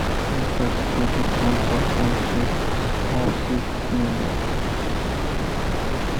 The city council consists of six members.